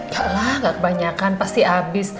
yalah gak kebanyakan pasti abis